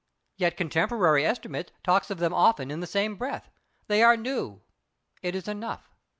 Yet contemporary; estimate talks of them often in the same breath. They are new! It is enough.